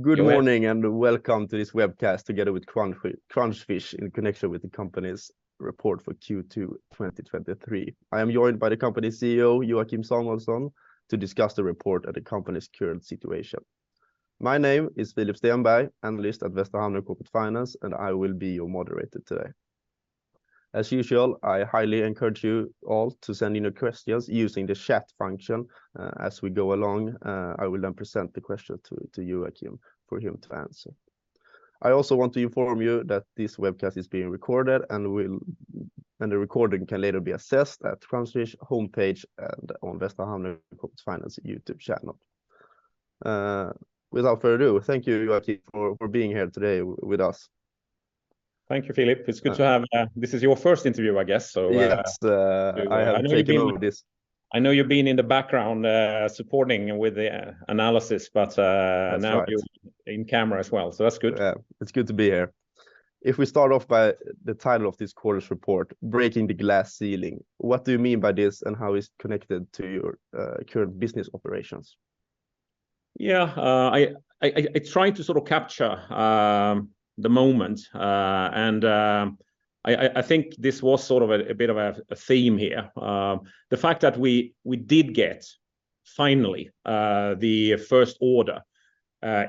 Good morning, and welcome to this webcast, together with Crunchfish, in connection with the company's report for Q2 2023. I am joined by the company CEO, Joachim Samuelsson, to discuss the report and the company's current situation. My name is Philipp Stenberg, analyst at Västra Hamnen Corporate Finance, and I will be your moderator today. As usual, I highly encourage you all to send in your questions using the chat function as we go along. I will then present the question to Joachim for him to answer. I also want to inform you that this webcast is being recorded and the recording can later be accessed at Crunchfish homepage and on Västra Hamnen Corporate Finance YouTube channel. Without further ado, thank you, Joachim, for being here today with us. Thank you, Philipp. It's good to have... this is your first interview, I guess so- Yes. I have taken over this- I know you've been in the background, supporting with the analysis, but- That's right... now you're in camera as well, so that's good. Yeah, it's good to be here. If we start off by the title of this quarter's report, Breaking the Glass Ceiling, what do you mean by this, and how is it connected to your current business operations? Yeah. I tried to sort of capture the moment, and I think this was sort of a bit of a theme here. The fact that we did get, finally, the first order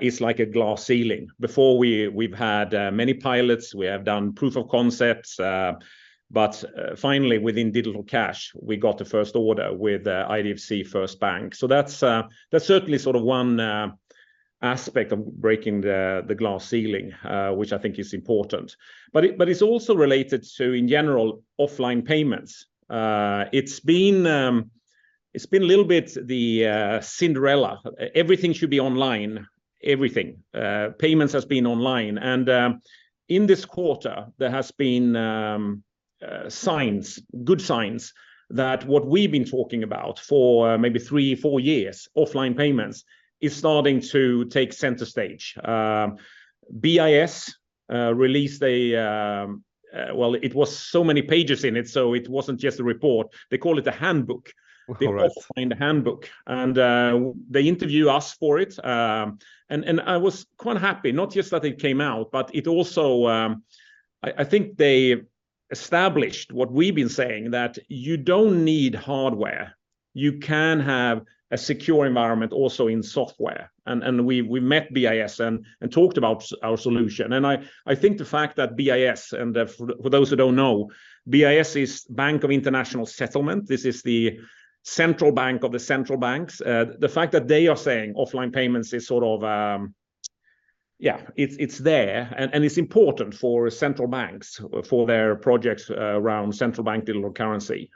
is like a glass ceiling. Before we've had many pilots. We have done proof of concepts, but finally, within Digital Cash, we got the first order with IDFC FIRST Bank. So that's certainly sort of one aspect of breaking the glass ceiling, which I think is important. But it's also related to, in general, offline payments. It's been a little bit the Cinderella. Everything should be online, everything. Payments has been online, and in this quarter, there has been signs, good signs, that what we've been talking about for maybe three, four years, offline payments, is starting to take center stage. BIS released a... Well, it was so many pages in it, so it wasn't just a report. They call it a handbook- Okay,... the Offline Handbook, and they interview us for it. And I was quite happy, not just that it came out, but it also... I think they established what we've been saying, that you don't need hardware. You can have a secure environment also in software, and we met BIS and talked about our solution. And I think the fact that BIS, and for those who don't know, BIS is Bank for International Settlements. This is the central bank of the central banks. The fact that they are saying offline payments is sort of, yeah, it's there, and it's important for central banks for their projects around central bank digital currency.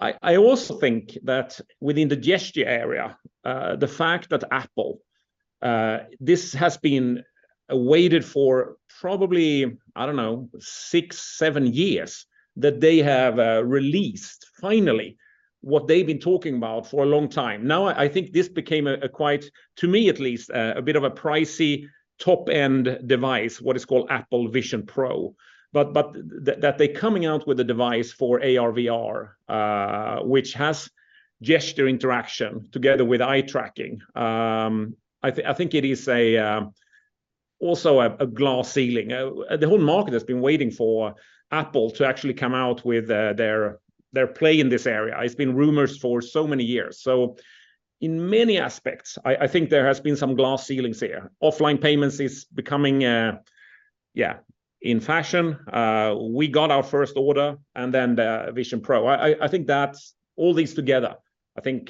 I also think that within the gesture area, the fact that Apple, this has been awaited for probably, I don't know, six, seven years, that they have released finally what they've been talking about for a long time. Now, I think this became a quite, to me at least, a bit of a pricey, top-end device, what is called Apple Vision Pro. But that they're coming out with a device for AR/VR, which has gesture interaction together with eye tracking, I think it is also a glass ceiling. The whole market has been waiting for Apple to actually come out with their play in this area. It's been rumors for so many years. So in many aspects, I think there has been some glass ceilings here. Offline payments is becoming in fashion. We got our first order and then the Vision Pro. I think that's... All these together, I think,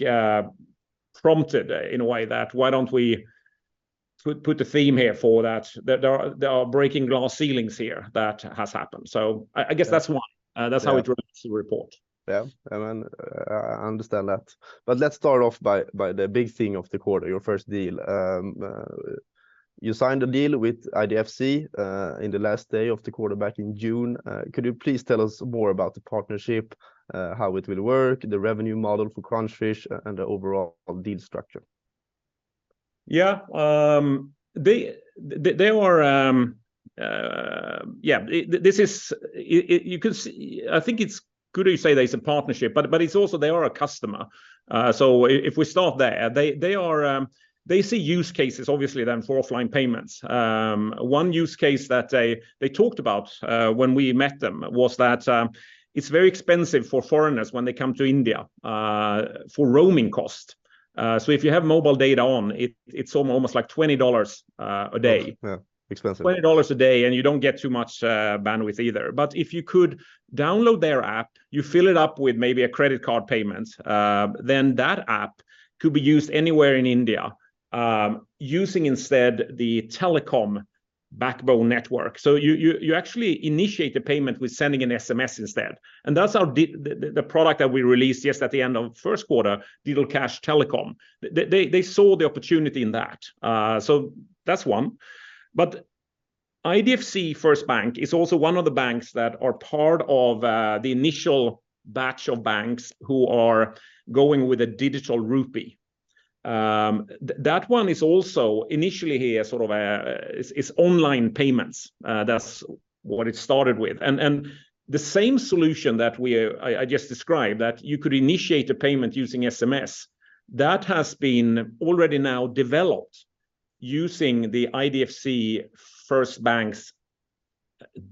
prompted in a way that, "Why don't we put the theme here for that?" That there are breaking glass ceilings here that has happened. So I guess that's one- Yeah... that's how it relates to the report. Yeah, and then I understand that. But let's start off by the big thing of the quarter, your first deal. You signed a deal with IDFC in the last day of the quarter, back in June. Could you please tell us more about the partnership, how it will work, the revenue model for Crunchfish, and the overall deal structure? Yeah, this is. You could see. I think it's good to say that it's a partnership, but it's also they are a customer. So if we start there, they are, they see use cases, obviously, then for offline payments. One use case that they talked about when we met them was that it's very expensive for foreigners when they come to India for roaming cost. So if you have mobile data on, it's almost like $20 a day. Yeah, expensive. $20 a day, and you don't get too much bandwidth either. But if you could download their app, you fill it up with maybe a credit card payment, then that app could be used anywhere in India, using instead the telecom backbone network. So you actually initiate the payment with sending an SMS instead, and that's our product that we released just at the end of first quarter, Digital Cash Telecom. They saw the opportunity in that. So that's one. But IDFC FIRST Bank is also one of the banks that are part of the initial batch of banks who are going with a Digital Rupee. That one is also initially here sort of a, it's online payments. That's what it started with. The same solution that we just described, that you could initiate a payment using SMS, that has been already now developed using the IDFC FIRST Bank's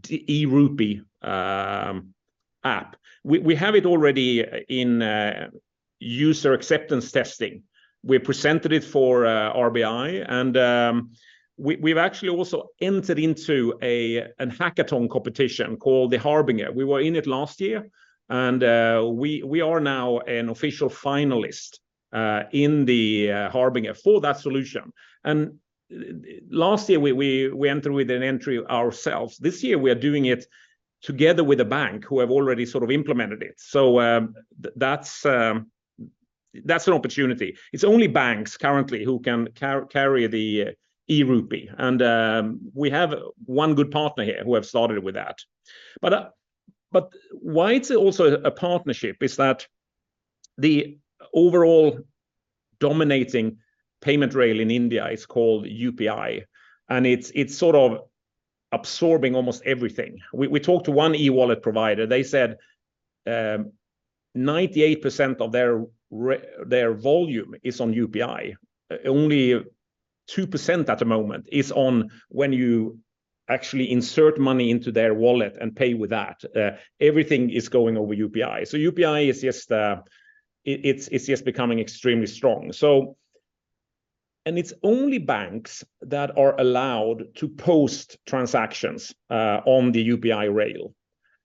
the e-Rupee app. We have it already in user acceptance testing. We presented it for RBI, and we've actually also entered into a hackathon competition called the Harbinger. We were in it last year, and we are now an official finalist in the Harbinger for that solution. And last year we entered with an entry ourselves. This year we are doing it together with a bank who have already sort of implemented it. So that's an opportunity. It's only banks currently who can carry the e-Rupee, and we have one good partner here who have started with that. But why it's also a partnership is that the overall dominating payment rail in India is called UPI, and it's sort of absorbing almost everything. We talked to one e-wallet provider. They said, 98% of their volume is on UPI. Only 2% at the moment is on when you actually insert money into their wallet and pay with that. Everything is going over UPI. So UPI is just... it's just becoming extremely strong. So... And it's only banks that are allowed to post transactions on the UPI rail,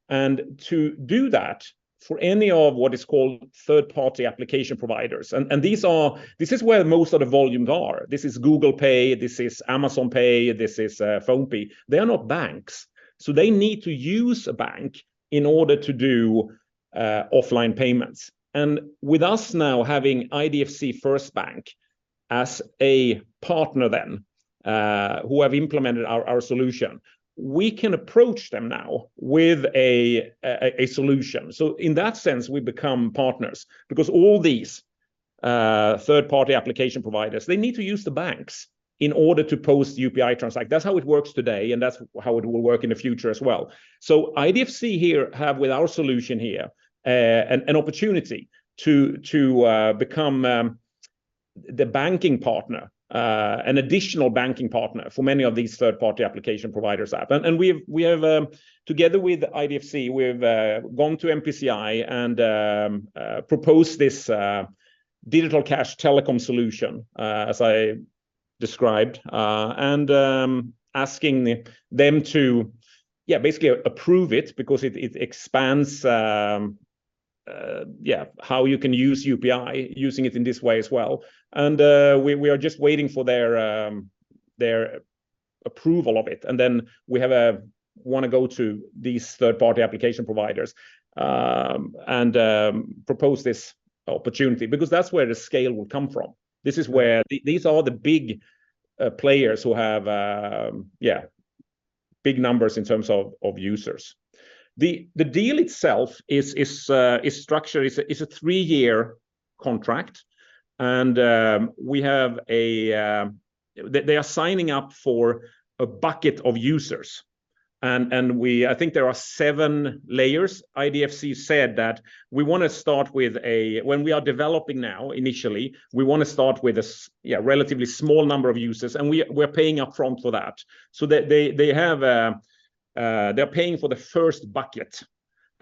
and to do that for any of what is called third-party application providers, and these are—this is where most of the volumes are. This is Google Pay, this is Amazon Pay, this is PhonePe. They are not banks, so they need to use a bank in order to do offline payments. And with us now having IDFC FIRST Bank as a partner then, who have implemented our solution, we can approach them now with a solution. So in that sense, we become partners because all these third-party application providers, they need to use the banks in order to post UPI transact. That's how it works today, and that's how it will work in the future as well. So IDFC here have, with our solution here, an opportunity to become the banking partner, an additional banking partner for many of these third-party application providers app. We've together with IDFC, we've gone to NPCI and proposed this Digital Cash Telecom solution, as I described, and asking them to, yeah, basically approve it because it expands how you can use UPI, using it in this way as well. We are just waiting for their approval of it, and then we wanna go to these third-party application providers and propose this opportunity, because that's where the scale will come from. This is where these are the big players who have big numbers in terms of users. The deal itself is a three-year contract, and we have a... They are signing up for a bucket of users, and we—I think there are seven layers. IDFC said that we wanna start with—when we are developing now, initially, we wanna start with—yeah, relatively small number of users, and we, we're paying upfront for that. So they have—they're paying for the first bucket,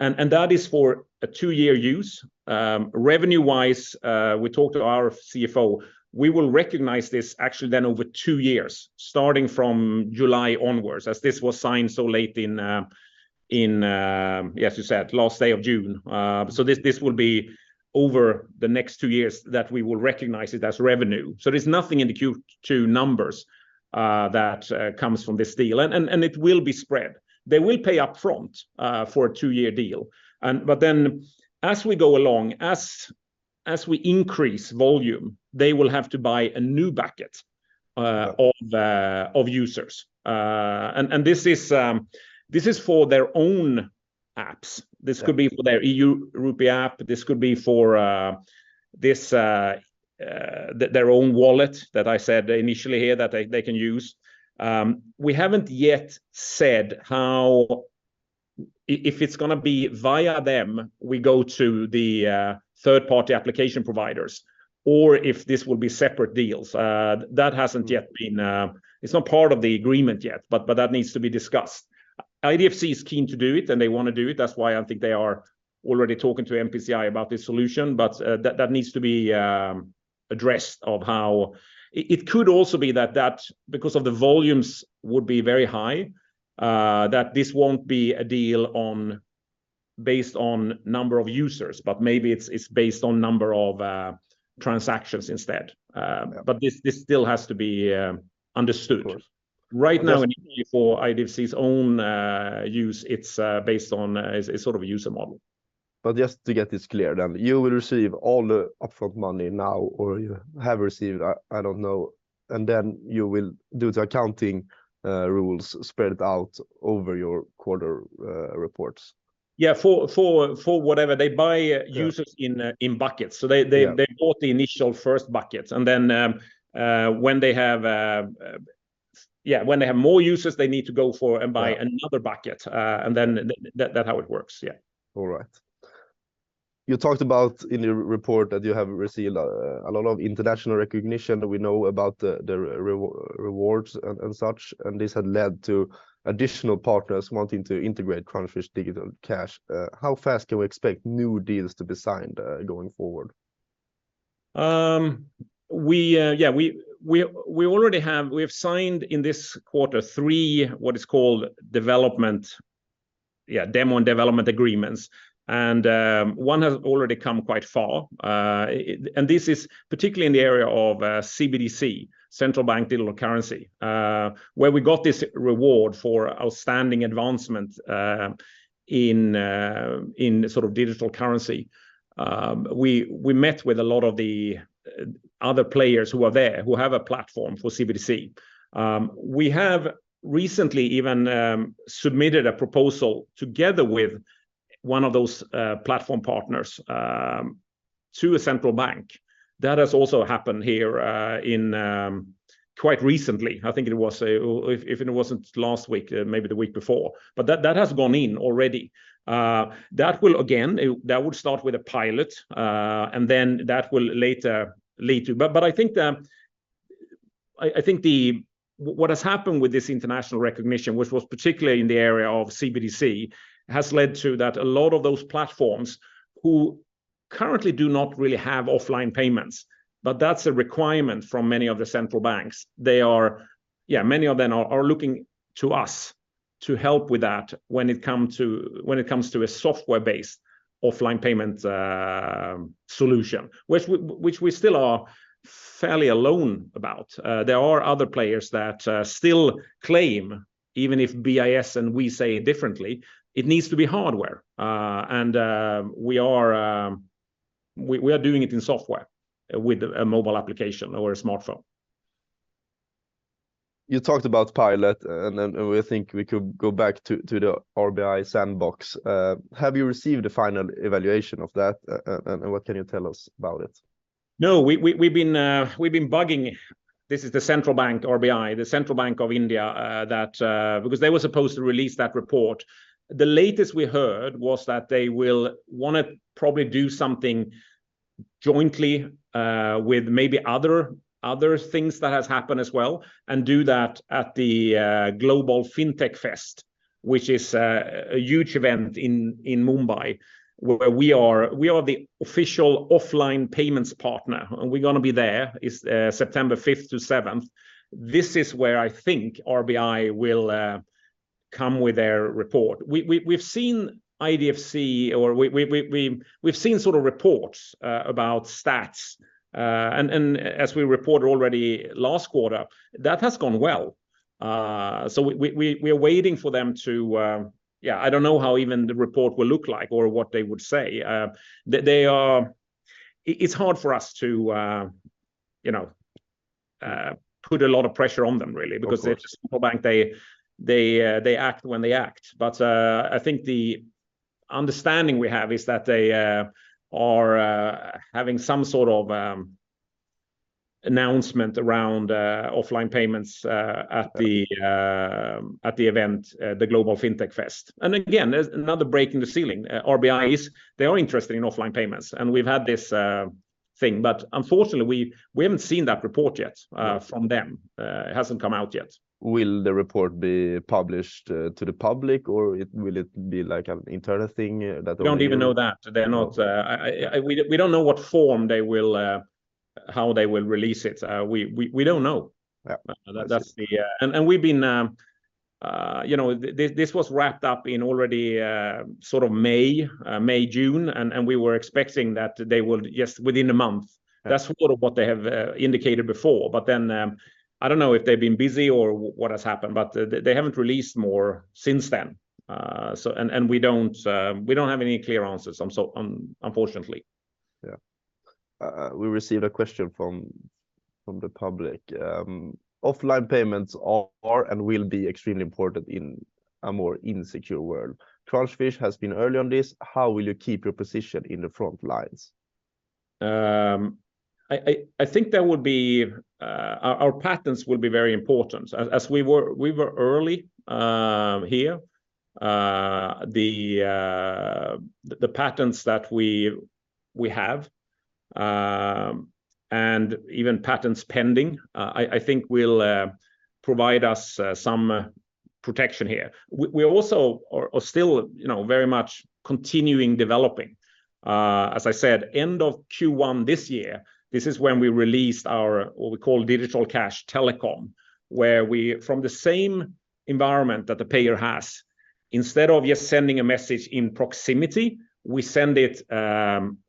and that is for a two-year use. Revenue-wise, we talked to our CFO, we will recognize this actually then over two years, starting from July onwards, as this was signed so late in, yeah, as you said, last day of June. So this will be over the next two years that we will recognize it as revenue. So there's nothing in the Q2 numbers that comes from this deal, and it will be spread. They will pay upfront for a two-year deal, but then as we go along, as we increase volume, they will have to buy a new bucket. Yeah... of users. And this is for their own apps. Yeah. This could be for their e-Rupee app, this could be for, this, their own wallet that I said initially here that they, they can use. We haven't yet said how... if it's gonna be via them, we go to the, third-party application providers, or if this will be separate deals. That hasn't yet been... it's not part of the agreement yet, but, but that needs to be discussed. IDFC is keen to do it, and they wanna do it. That's why I think they are already talking to NPCI about this solution, but, that needs to be, addressed, of how... It could also be that because of the volumes would be very high, that this won't be a deal based on number of users, but maybe it's based on number of transactions instead. Yeah.... but this, this still has to be understood. Of course. Right now, for IDFC's own use, it's based on. It's sort of a user model. But just to get this clear, then, you will receive all the upfront money now, or you have received, I don't know, and then you will do the accounting rules spread out over your quarter reports? Yeah, for whatever. They buy- Yeah... users in buckets. Yeah. So they bought the initial first buckets, and then when they have more users, they need to go for- Yeah... and buy another bucket, and then that's how it works, yeah. All right. You talked about in your report that you have received a lot of international recognition, that we know about the rewards and such, and this had led to additional partners wanting to integrate Crunchfish Digital Cash. How fast can we expect new deals to be signed going forward? Yeah, we have signed in this quarter three, what is called development, yeah, demo and development agreements, and one has already come quite far. And this is particularly in the area of CBDC, Central Bank Digital Currency, where we got this reward for outstanding advancement in sort of digital currency. We met with a lot of the other players who are there, who have a platform for CBDC. We have recently even submitted a proposal together with one of those platform partners to a central bank. That has also happened here in quite recently. I think it was, if it wasn't last week, maybe the week before. But that has gone in already. That will, again, that would start with a pilot, and then that will later lead to... But I think what has happened with this international recognition, which was particularly in the area of CBDC, has led to that a lot of those platforms who currently do not really have offline payments, but that's a requirement from many of the central banks. They are... Yeah, many of them are looking to us to help with that when it comes to a software-based offline payment solution, which we still are fairly alone about. There are other players that still claim, even if BIS and we say it differently, it needs to be hardware. And we are doing it in software, with a mobile application or a smartphone. You talked about pilot, and then we think we could go back to the RBI sandbox. Have you received a final evaluation of that, and what can you tell us about it? No, we've been bugging. This is the central bank, RBI, the Central Bank of India, that, because they were supposed to release that report. The latest we heard was that they will want to probably do something jointly, with maybe other things that has happened as well, and do that at the Global Fintech Fest, which is a huge event in Mumbai, where we are the official offline payments partner, and we're gonna be there. It's September 5th to 7th. This is where I think RBI will come with their report. We've seen IDFC, or we've seen sort of reports about stats. And as we reported already last quarter, that has gone well. So we're waiting for them to... Yeah, I don't know how even the report will look like or what they would say. It's hard for us to, you know, put a lot of pressure on them, really. Of course... because it's a central bank. They, they, they act when they act. But, I think the understanding we have is that they are having some sort of announcement around offline payments at the, at the event, the Global Fintech Fest. And again, there's another break in the ceiling. RBI is, they are interested in offline payments, and we've had this thing, but unfortunately, we, we haven't seen that report yet from them. It hasn't come out yet. Will the report be published to the public, or will it be like an internal thing that only- We don't even know that. They're not, we don't know what form they will, how they will release it. We don't know. Yeah. That's the. And we've been, you know, this was wrapped up already, sort of May, June, and we were expecting that they will just within a month. Yeah. That's sort of what they have indicated before. But then, I don't know if they've been busy or what has happened, but they haven't released more since then. So, and we don't have any clear answers, so, unfortunately. Yeah. We received a question from the public: "Offline payments are and will be extremely important in a more insecure world. Crunchfish has been early on this. How will you keep your position in the front lines? I think that would be our patents will be very important. As we were early here. The patents that we have and even patents pending I think will provide us some protection here. We also are still, you know, very much continuing developing. As I said, end of Q1 this year, this is when we released our, what we call Digital Cash Telecom, where we, from the same environment that the payer has, instead of just sending a message in proximity, we send it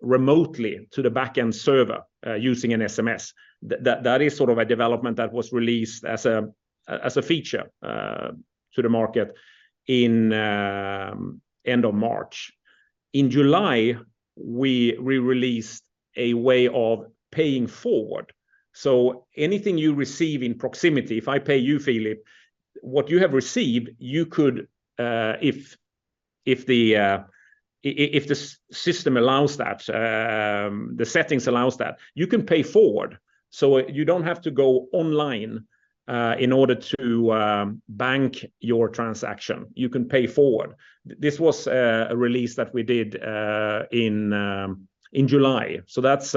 remotely to the back-end server using an SMS. That is sort of a development that was released as a feature to the market in end of March. In July, we released a way of paying forward. So anything you receive in proximity, if I pay you, Philip, what you have received, you could, if the system allows that, the settings allows that, you can pay forward. So you don't have to go online, in order to bank your transaction. You can pay forward. This was a release that we did in July, so that's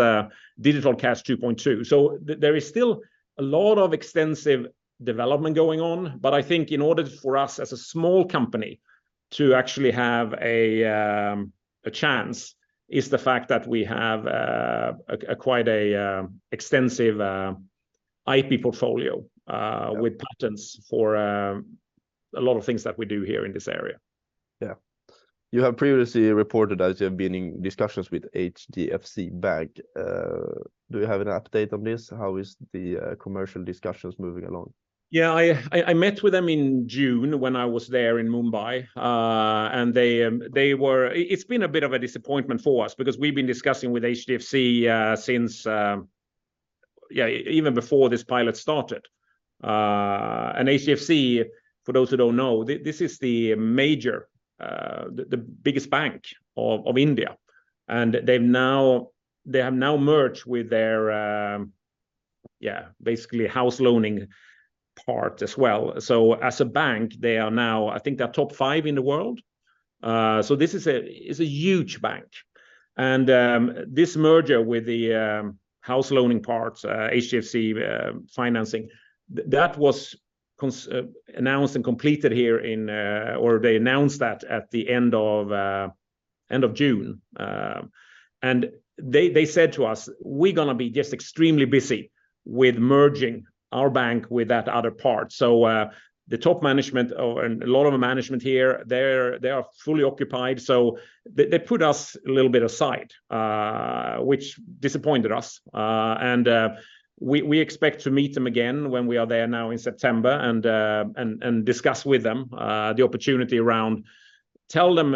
Digital Cash 2.2. So there is still a lot of extensive development going on, but I think in order for us as a small company to actually have a chance, is the fact that we have a quite a extensive IP portfolio. Yeah... with patents for a lot of things that we do here in this area. Yeah. You have previously reported that you have been in discussions with HDFC Bank. Do you have an update on this? How is the commercial discussions moving along? Yeah, I met with them in June when I was there in Mumbai. And it's been a bit of a disappointment for us, because we've been discussing with HDFC since, yeah, even before this pilot started. And HDFC, for those who don't know, this is the major, the biggest bank of India, and they have now merged with their basically house loaning part as well. So as a bank, they are now, I think they're top five in the world. So this is a huge bank, and this merger with the house loaning parts, HDFC financing, that was announced and completed here in, or they announced that at the end of June. And they said to us, "We're gonna be just extremely busy with merging our bank with that other part." So, the top management and a lot of the management here, they're fully occupied, so they put us a little bit aside, which disappointed us. And we expect to meet them again when we are there now in September, and discuss with them the opportunity around—tell them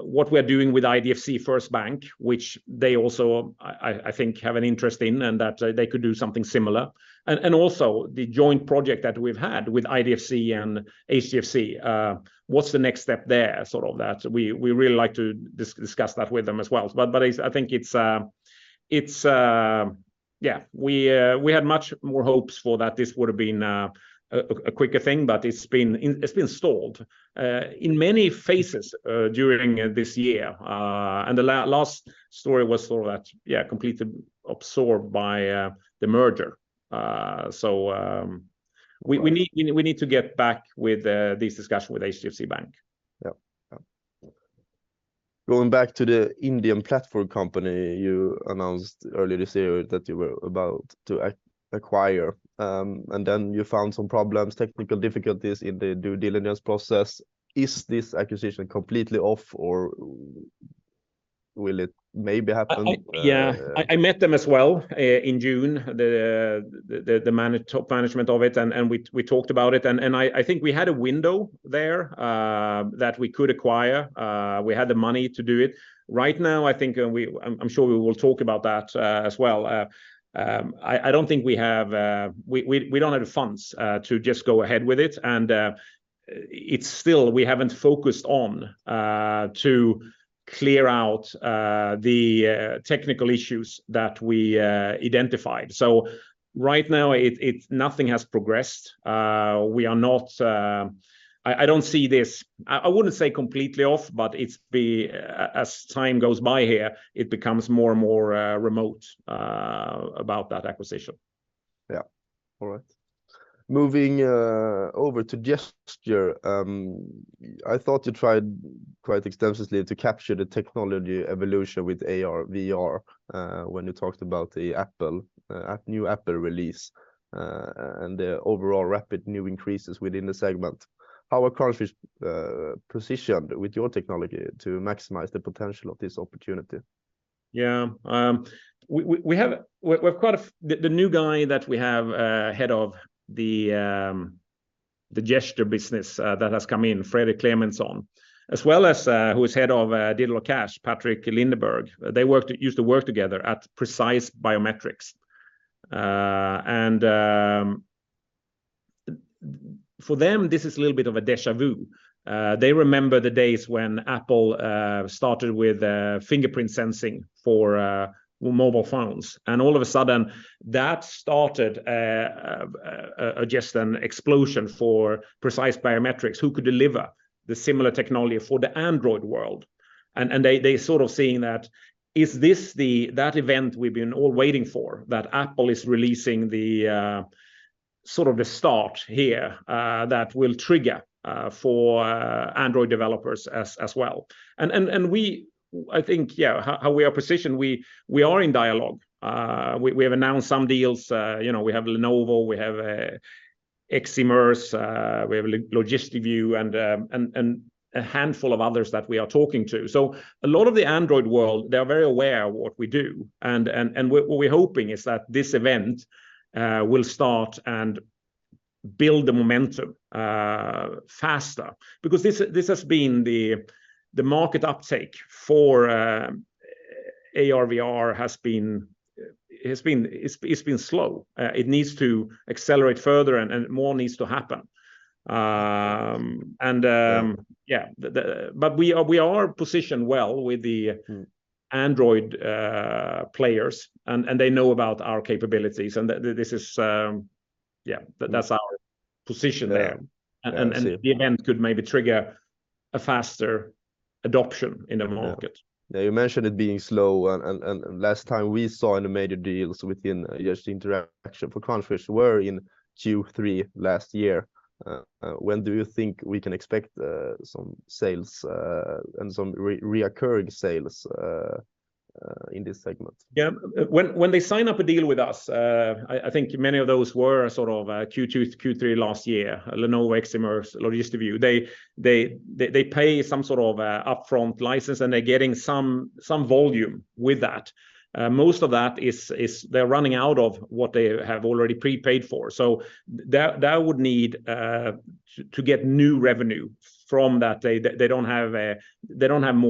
what we are doing with IDFC FIRST Bank, which they also, I think, have an interest in, and that they could do something similar. And also the joint project that we've had with IDFC and HDFC, what's the next step there? Sort of that. We really like to discuss that with them as well. But I think it's... Yeah, we had much more hopes for that. This would've been a quicker thing, but it's been stalled in many phases during this year. And the last story was sort of that, yeah, completely absorbed by the merger. So, Right... we need to get back with this discussion with HDFC Bank. Yep. Yep. Going back to the Indian platform company you announced earlier this year that you were about to acquire, and then you found some problems, technical difficulties in the due diligence process. Is this acquisition completely off, or will it maybe happen? Yeah, I met them as well in June, the top management of it, and we talked about it. And I think we had a window there that we could acquire. We had the money to do it. Right now, I think, I'm sure we will talk about that as well. I don't think we have... We don't have the funds to just go ahead with it, and it's still, we haven't focused on to clear out the technical issues that we identified. So right now, nothing has progressed. We are not... I don't see this. I wouldn't say completely off, but as time goes by here, it becomes more and more remote about that acquisition. Yeah. All right. Moving over to gesture, I thought you tried quite extensively to capture the technology evolution with AR/VR, when you talked about the Apple new Apple release, and the overall rapid new increases within the segment. How are currently positioned with your technology to maximize the potential of this opportunity? Yeah. We have we've quite a f- the new guy that we have head of the gesture business that has come in, Fredrik Clementson, as well as who is head of Digital Cash, Patrik Lindeberg, they used to work together at Precise Biometrics. And for them, this is a little bit of a déjà vu. They remember the days when Apple started with fingerprint sensing for well, mobile phones, and all of a sudden, that started just an explosion for Precise Biometrics, who could deliver the similar technology for the Android world. They are sort of seeing that, "Is this the event we've been waiting for, that Apple is releasing the sort of the start here that will trigger for Android developers as well?" We, I think, yeah, how we are positioned, we are in dialogue. We have announced some deals. You know, we have Lenovo, we have Ximmerse, we have LogistiView and a handful of others that we are talking to. So a lot of the Android world, they are very aware of what we do, and what we're hoping is that this event will start and build the momentum faster. Because this has been the market uptake for AR/VR has been, it's been slow. It needs to accelerate further, and more needs to happen. Yeah. Yeah, but we are positioned well with the- Mm... Android players, and they know about our capabilities, and this is, yeah, that's our... position there- Yeah. And, and, and- See the end could maybe trigger a faster adoption in the market. Yeah. Now, you mentioned it being slow, and last time we saw the major deals within gesture interaction for Crunchfish were in Q3 last year. When do you think we can expect some sales and some recurring sales in this segment? Yeah. When they sign up a deal with us, I think many of those were sort of Q2 to Q3 last year, Lenovo, Ximmerse, a lot of SDK use. They pay some sort of upfront license, and they're getting some volume with that. Most of that is they're running out of what they have already prepaid for. So that would need to get new revenue from that. They don't have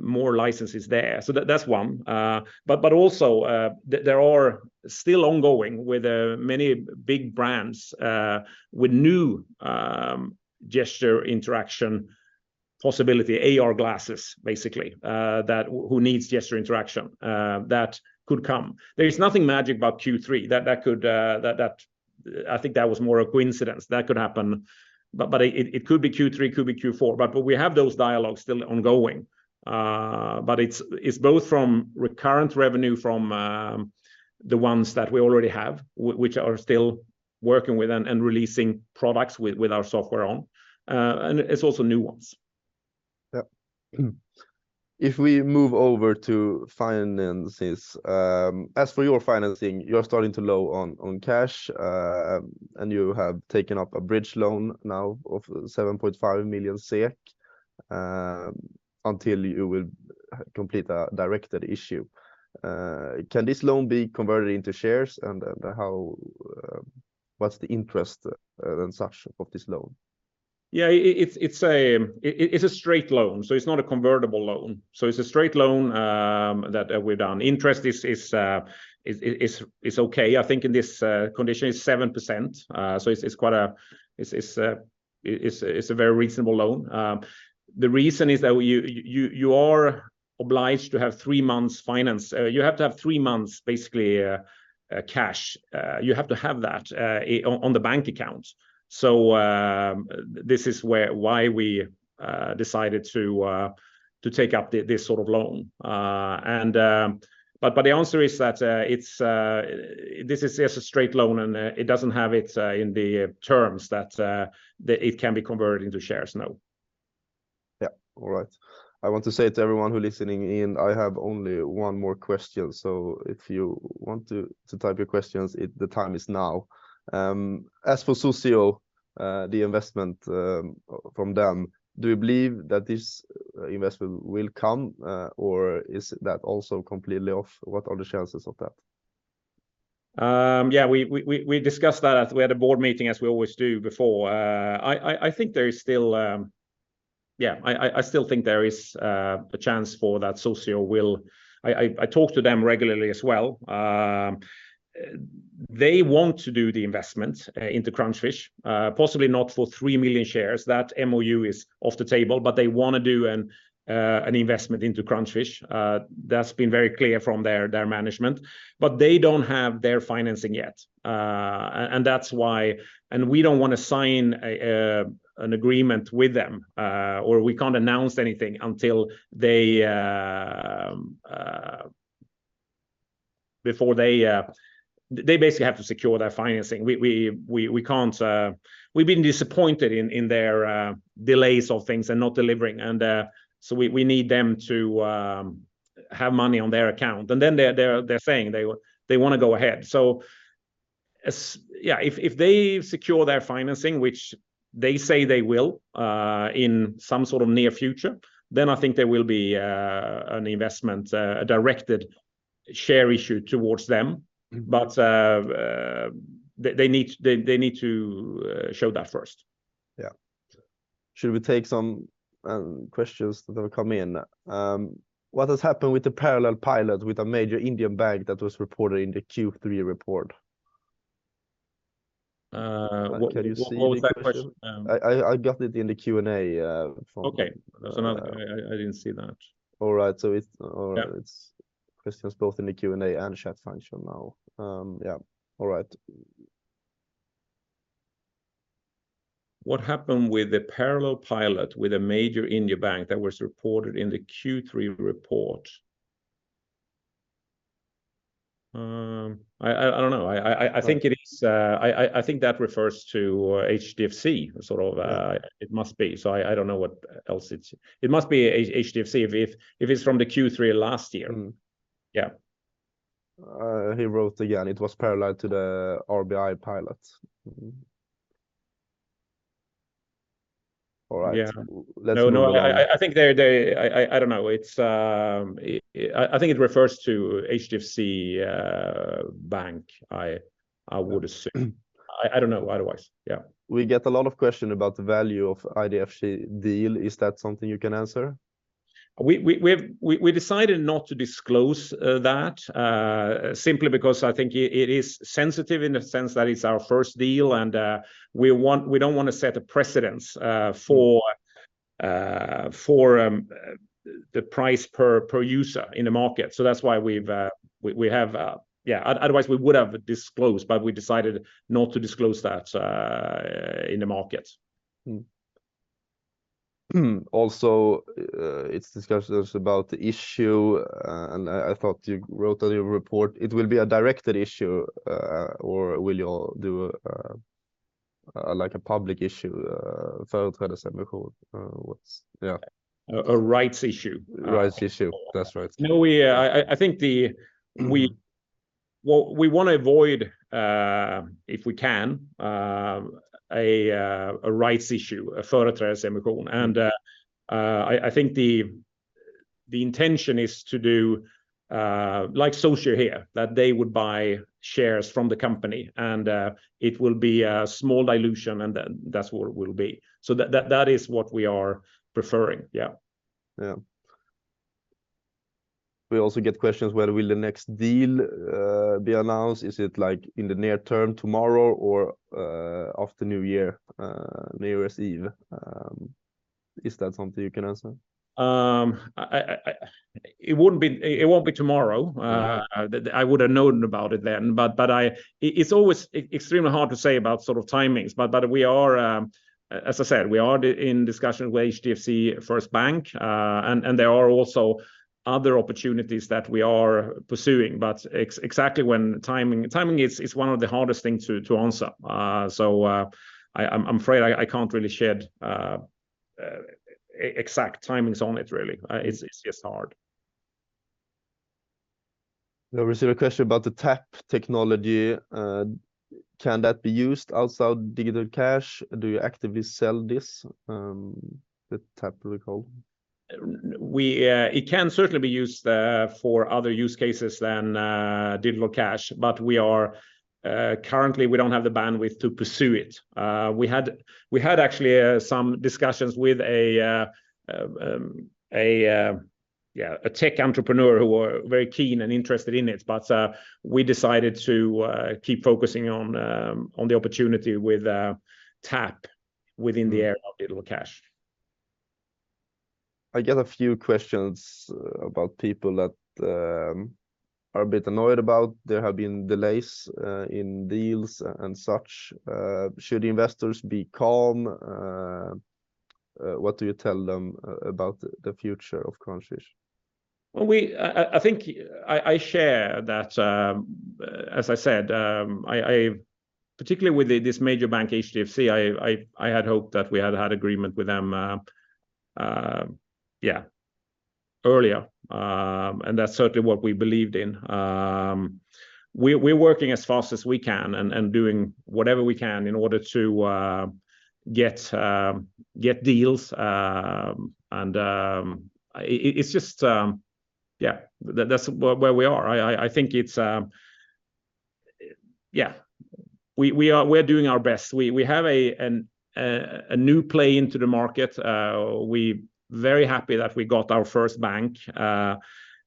more licenses there. So that's one. But also, there are still ongoing with many big brands with new gesture interaction possibility, AR glasses, basically, that who needs gesture interaction. That could come. There is nothing magic about Q3. That could. I think that was more a coincidence. That could happen, but it could be Q3, could be Q4. But we have those dialogues still ongoing. But it's both from recurrent revenue from the ones that we already have, which are still working with and releasing products with our software on, and it's also new ones. Yeah. If we move over to finances, as for your financing, you're starting to run low on cash, and you have taken up a bridge loan now of 7.5 million SEK, until you will complete a directed issue. Can this loan be converted into shares, and how... what's the interest and such of this loan? Yeah, it's a straight loan, so it's not a convertible loan. So it's a straight loan that we've done. Interest is okay. I think in this condition, it's 7%, so it's quite a... it's a very reasonable loan. The reason is that you are obliged to have three months' finance. You have to have three months, basically, cash. You have to have that on the bank account. So this is why we decided to take up this sort of loan. But the answer is that this is just a straight loan, and it doesn't have it in the terms that it can be converted into shares, no. Yeah. All right. I want to say to everyone who listening in, I have only one more question, so if you want to type your questions, the time is now. As for Chui, the investment from them, do you believe that this investment will come, or is that also completely off? What are the chances of that? Yeah, we discussed that at... We had a board meeting, as we always do before. I think there is still... Yeah, I still think there is a chance for that Chui will... I talk to them regularly as well. They want to do the investment into Crunchfish, possibly not for three million shares. That MOU is off the table, but they wanna do an investment into Crunchfish. That's been very clear from their management. But they don't have their financing yet. And that's why... And we don't wanna sign an agreement with them, or we can't announce anything until they... before they basically have to secure their financing. We can't... We've been disappointed in their delays of things and not delivering, and so we need them to have money on their account. And then they're saying they wanna go ahead. So as... Yeah, if they secure their financing, which they say they will, in some sort of near future, then I think there will be an investment, a directed share issue towards them. Mm-hmm. But they need to show that first. Yeah. Should we take some questions that have come in? What has happened with the parallel pilot with a major Indian bank that was reported in the Q3 report? Uh- Can you see? What was that question? I got it in the Q&A form. Okay. Uh- So I didn't see that. All right, so it's. Yeah... Alright, it's questions both in the Q&A and chat function now. Yeah. All right. What happened with the parallel pilot with a major India bank that was reported in the Q3 report? I don't know. Right... think it is, I think that refers to, HDFC, sort of- Yeah... it must be, so I don't know what else it's... It must be HDFC if it's from the Q3 of last year. Mm. Yeah. He wrote again, it was parallel to the RBI pilot. All right. Yeah. Let's move on. No, no. I think they're... I don't know. It's it. I think it refers to HDFC Bank. I would assume. Mm. I don't know otherwise. Yeah. We get a lot of questions about the value of the HDFC deal. Is that something you can answer? We've decided not to disclose that simply because I think it is sensitive in the sense that it's our first deal, and we want—we don't wanna set a precedence. Mm... for the price per user in the market. So that's why we have... Yeah, otherwise we would have disclosed, but we decided not to disclose that in the market. Mm. Mm, also, it's discussions about the issue, and I thought you wrote on your report it will be a directed issue, or will you do like a public issue, what's... Yeah. A rights issue. Rights issue, that's right. No, I think the- Mm... we, well, we wanna avoid, if we can, a rights issue. And, I think the intention is to do, like Socio here, that they would buy shares from the company, and it will be a small dilution, and then that's what it will be. So that is what we are preferring. Yeah. Yeah. We also get questions, when will the next deal be announced? Is it, like, in the near term, tomorrow, or after New Year, New Year's Eve? Is that something you can answer? It won't be, it won't be tomorrow. Mm. I would've known about it then. But it's always extremely hard to say about sort of timings. But we are, as I said, we are in discussion with IDFC FIRST Bank, and there are also other opportunities that we are pursuing. But exactly when, timing is one of the hardest thing to answer. So I'm afraid I can't really shed exact timings on it, really. It's just hard. We received a question about the tap technology. Can that be used outside Digital Cash? Do you actively sell this, the tap, we call? It can certainly be used for other use cases than Digital Cash, but we are currently we don't have the bandwidth to pursue it. We had actually some discussions with a tech entrepreneur who were very keen and interested in it, but we decided to keep focusing on the opportunity with tap within the area of Digital Cash. I get a few questions about people that are a bit annoyed about there have been delays in deals and such. Should investors be calm? What do you tell them about the future of Crunchfish? Well, I think I share that, as I said, I particularly with this major bank, HDFC, I had hoped that we had had agreement with them, yeah, earlier. That's certainly what we believed in. We're working as fast as we can and doing whatever we can in order to get deals. It's just, yeah, that's where we are. I think it's... Yeah, we're doing our best. We have a new play into the market. We very happy that we got our first bank.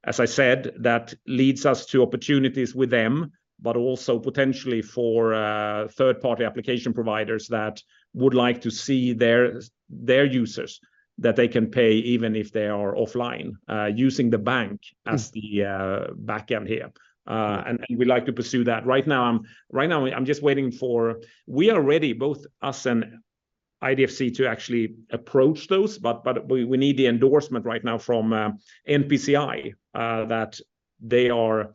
As I said, that leads us to opportunities with them, but also potentially for third-party application providers that would like to see their users that they can pay even if they are offline, using the bank- Mm... as the back end here. And we'd like to pursue that. Right now, I'm just waiting for... We are ready, both us and IDFC to actually approach those, but we need the endorsement right now from NPCI that they are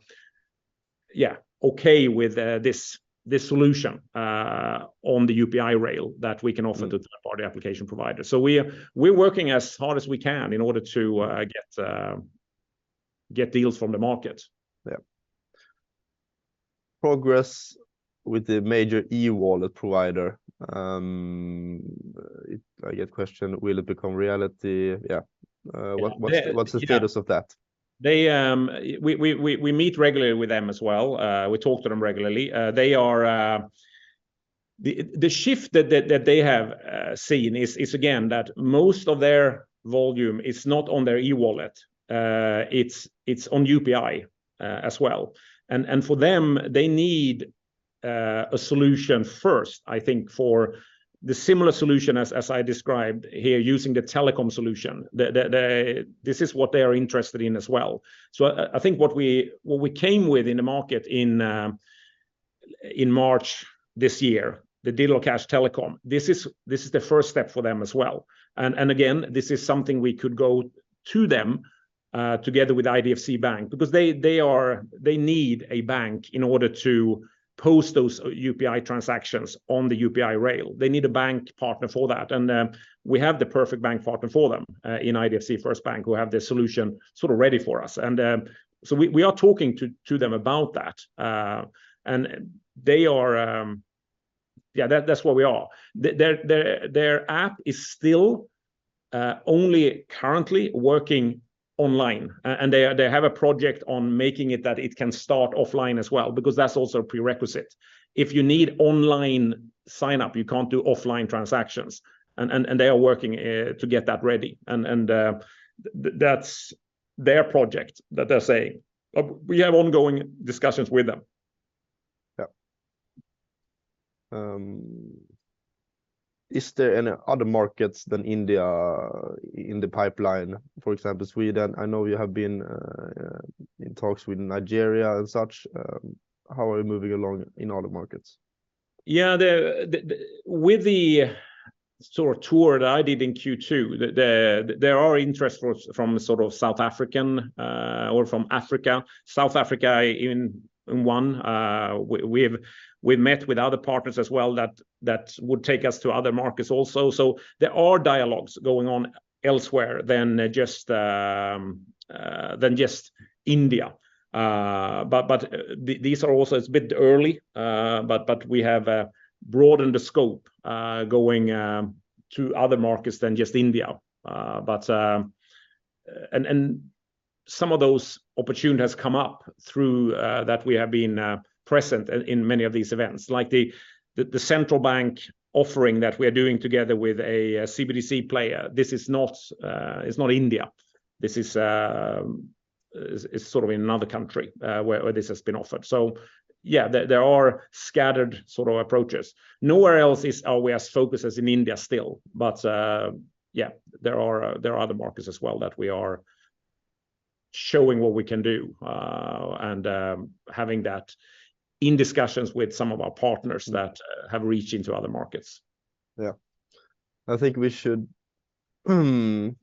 okay with this solution on the UPI rail, that we can offer- Mm... to third-party application providers. So we're working as hard as we can in order to get deals from the market. Yeah. Progress with the major e-wallet provider, I get question, will it become reality? Yeah, Yeah... what's the status of that? They, we meet regularly with them as well. We talk to them regularly. They are. The shift that they have seen is again that most of their volume is not on their e-wallet, it's on UPI as well. And for them, they need a solution first, I think, for the similar solution as I described here, using the telecom solution. This is what they are interested in as well. So I think what we came with in the market in March this year, the Digital Cash Telecom, this is the first step for them as well. And again, this is something we could go to them together with IDFC FIRST Bank, because they need a bank in order to post those UPI transactions on the UPI rail. They need a bank partner for that. We have the perfect bank partner for them in IDFC FIRST Bank, who have the solution sort of ready for us. So we are talking to them about that. And they are... Yeah, that's where we are. Their app is still only currently working online, and they have a project on making it that it can start offline as well, because that's also a prerequisite. If you need online sign-up, you can't do offline transactions. And they are working to get that ready. That's their project that they're saying. We have ongoing discussions with them. Yeah, is there any other markets than India in the pipeline, for example, Sweden? I know you have been in talks with Nigeria and such. How are you moving along in other markets? Yeah, with the sort of tour that I did in Q2, there are interest from the sort of South African or from Africa. South Africa, even in one, we met with other partners as well, that would take us to other markets also. So there are dialogues going on elsewhere than just than just India. But these are also, it's a bit early, but we have broadened the scope, going to other markets than just India. And some of those opportunities has come up through that we have been present in many of these events. Like the central bank offering that we are doing together with a CBDC player, this is not, it's not India. This is sort of in another country where this has been offered. So yeah, there are scattered sort of approaches. Nowhere else are we as focused as in India still, but yeah, there are other markets as well that we are showing what we can do, and having that in discussions with some of our partners that have reach into other markets. Yeah. I think we should. I don't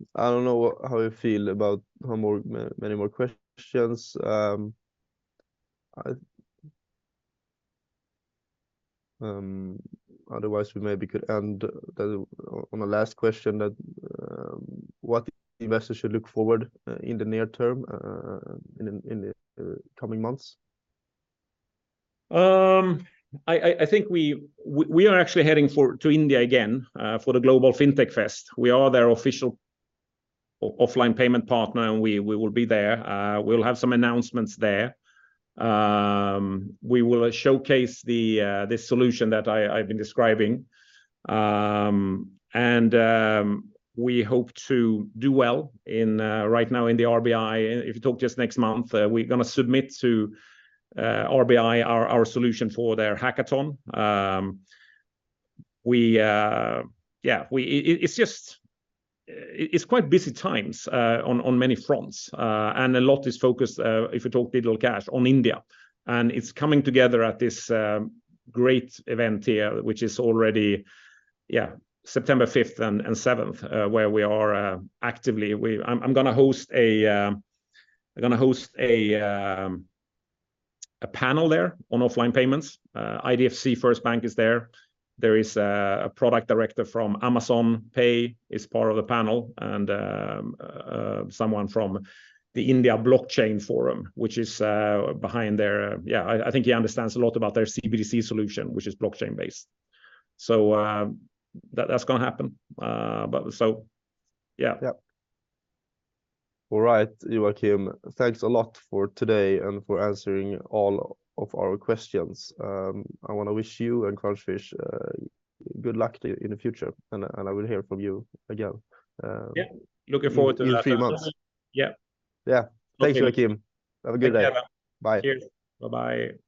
know how you feel about how many more questions. Otherwise, we maybe could end on the last question that what investors should look forward in the near term, in the coming months? I think we are actually heading for to India again for the Global Fintech Fest. We are their official offline payment partner, and we will be there. We'll have some announcements there. We will showcase the solution that I've been describing. And we hope to do well in right now in the RBI. If you talk just next month, we're going to submit to RBI our solution for their hackathon. Yeah, it's just quite busy times on many fronts. And a lot is focused, if you talk Digital Cash, on India, and it's coming together at this great event here, which is already September 5th and 7th, where we are actively. I'm going to host a panel there on offline payments. IDFC FIRST Bank is there. There is a product director from Amazon Pay who is part of the panel, and someone from the India Blockchain Forum, which is behind their... Yeah, I think he understands a lot about their CBDC solution, which is blockchain-based. So, that's going to happen. But, so yeah. Yeah. All right, Joachim, thanks a lot for today and for answering all of our questions. I want to wish you and Crunchfish good luck to you in the future, and I will hear from you again. Yeah. Looking forward to that as well.... in three months. Yeah. Yeah. Okay. Thank you, Joachim. Have a good day. Thank you, Philipp. Bye. Cheers. Bye-bye.